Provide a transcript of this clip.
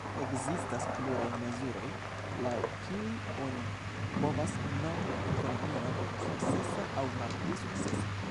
Ekzistas pluraj mezuroj, laŭ kiuj oni povas nomi ekonomion sukcesa aŭ malpli sukcesa.